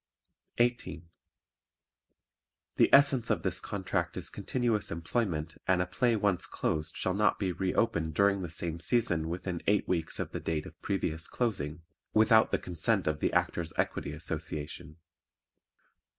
18. The essence of this contract is continuous employment and a play once closed shall not be re opened during the same season within eight weeks of the date of previous closing, without the consent of the Actors' Equity Association.